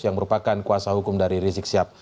yang merupakan kuasa hukum dari rizik sihab